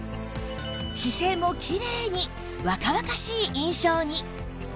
姿勢もきれいに若々しい印象に